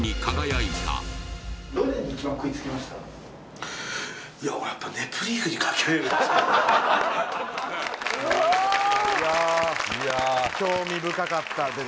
いやいや興味深かったです